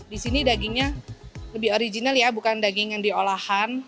di sini dagingnya lebih original ya bukan daging yang diolahan